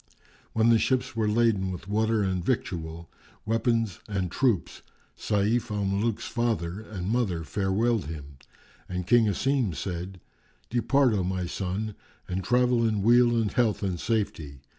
When the ships were laden with water and victual, weapons and troops, Sayf al Muluk's father and mother farewelled him and King Asim said, "Depart, O my son, and travel in weal and health and safety.